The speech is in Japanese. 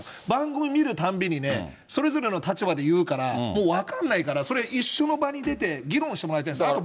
番組見るたびにね、それぞれの立場で言うから、もう分かんないから、それ、一緒の場に出て、議論してもらいたいんです。